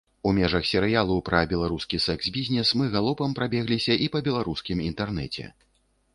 У межах серыялу пра беларускі сэкс-бізнес мы галопам прабегліся і па беларускім інтэрнэце.